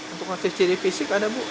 untuk ngecek ciri fisik ada bu